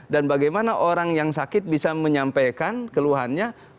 bagaimana orang yang sakit bisa menyampaikan keluhannya